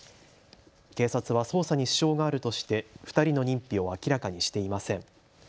警察は捜査に支障があるとして２人の認否を明らかにしていません。